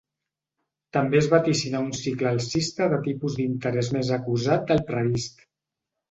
També es vaticina un cicle alcista de tipus d’interès més acusat del previst.